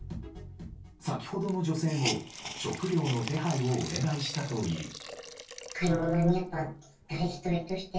先ほどの女性も食料の手配をお願いしたといい。